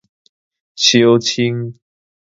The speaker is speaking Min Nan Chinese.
相伨